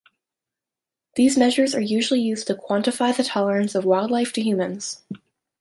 These measures are usually used to quantify the tolerance of wildlife to humans.